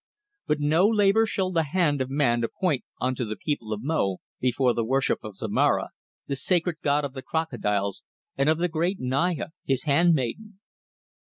But no labour shall the hand of man appoint unto the people of Mo before the worship of Zomara, the sacred god of the crocodiles, and of the great Naya, his handmaiden.